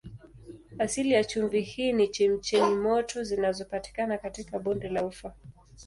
Asili ya chumvi hii ni chemchemi moto zinazopatikana katika bonde la Ufa.